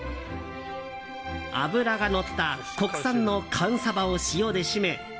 脂がのった国産の寒サバを塩で締め